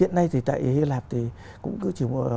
hiện nay tại hy lạp thì cũng chỉ